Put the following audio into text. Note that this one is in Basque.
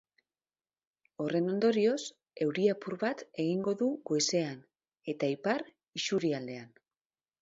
Horren ondorioz, euri apur bat egingo du goizean eta ipar isurialdean.